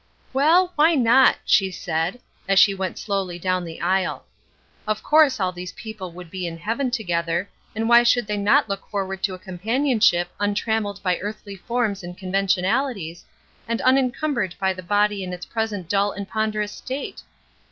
"Well, why not?" she said, as she went slowly down the aisle. Of course all these people would be in heaven together, and why should they not look forward to a companionship untrameled by earthly forms and conventionalities, and uncumbered by the body in its present dull and ponderous state?